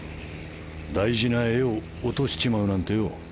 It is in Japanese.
大事な絵を落としちまうなんてよ。